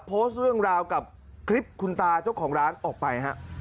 โพสต์เรื่องราวกับคลิปคุณตาเจ้าของร้านออกไปฮะ